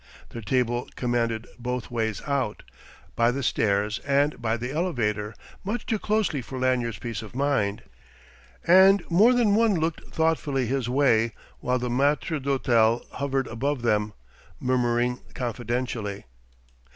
Their table commanded both ways out, by the stairs and by the elevator, much too closely for Lanyard's peace of mind. And more than one looked thoughtfully his way while the maître d'hôtel hovered above them, murmuring confidentially.